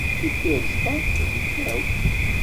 Tifirest-a d tazegzawt.